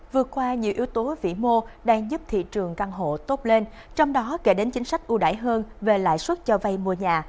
vừa qua nhiều yếu tố vĩ mô đang giúp thị trường căn hộ tốt lên trong đó kể đến chính sách ưu đải hơn về lãi suất cho vay mua nhà